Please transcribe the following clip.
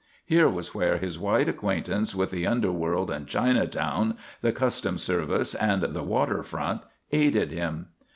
Here was where his wide acquaintance with the underworld and Chinatown, the customs service and the water front, aided him.